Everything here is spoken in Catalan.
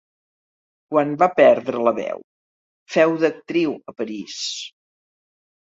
Quan va perdre la veu, féu d'actriu a París.